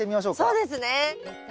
そうですね。